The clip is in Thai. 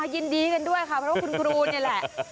ยินดีกันด้วยค่ะเพราะว่าคุณครูนี่แหละ